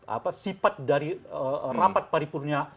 apa sifat dari rapat paripurnya